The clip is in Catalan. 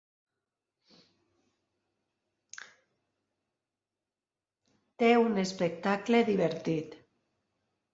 Té un espectacle divertit.